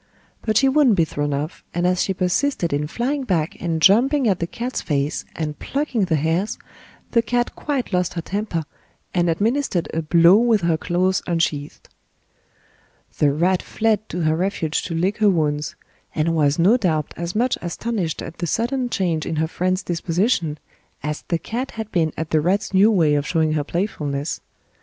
But she wouldn't be thrown off, and as she persisted in flying back and jumping at the cat's face and plucking the hairs, the cat quite lost her temper and administered a blow with her claws unsheathed. The rat fled to her refuge to lick her wounds, and was no doubt as much astonished at the sudden change in her friend's disposition as the cat had been at the rat's new way of showing her playfulness.